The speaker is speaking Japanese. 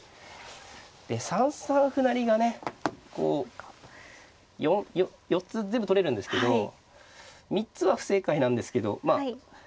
で３三歩成がねこう４つ全部取れるんですけど３つは不正解なんですけどまあ。